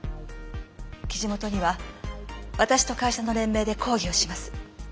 記事元には私と会社の連名で抗議をします。